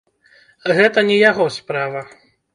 Гэта не яго справа!